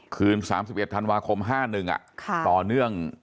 คืน๓๑ธันวาคม๕๑ต่อเนื่อง